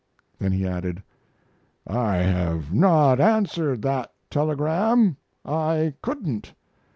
Then he added: I have not answered that telegram. I couldn't.